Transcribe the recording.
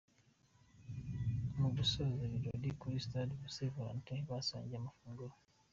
Mu gusoza ibirori kuri St Valentin basangiye amafunguro.